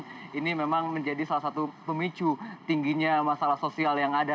tapi apakah itu adalah salah satu pemicu tingginya masalah sosial yang ada